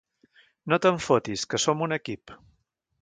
No te'n fotis, que som un equip.